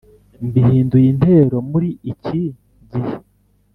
Mbihinduye intero muri ikigihe